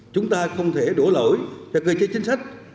chúng ta không thể đổ lỗi cho cơ chế chính sách